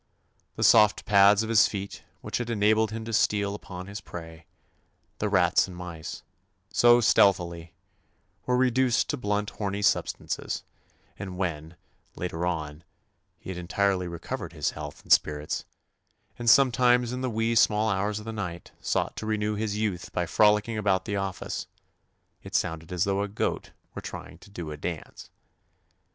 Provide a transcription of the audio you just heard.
The soft pads of his feet which had enabled him to steal upon his prey — the rats and mice — so> stealthily, were reduced to blunt horny substances, and when, later on, he had entirely recovered his health and spirits, and sometimes in the "wee sma' hours" of the night sought to renew his youth by frolicking about the office, it sounded as though a goat were trying to "do a dance."